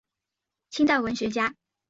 清代文学家。